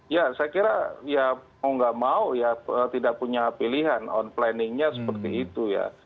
ya saya kira ya mau nggak mau ya tidak punya pilihan on planningnya seperti itu ya